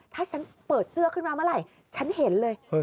ถ้าฉันเปิดเสื้อขึ้นมาเมื่อไหร่